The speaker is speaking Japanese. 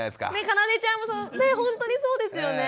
かなでちゃんもねっほんとにそうですよね。